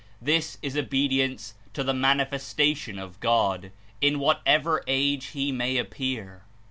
This Is obedience to the Manifestation of God, In whatever age he may appear.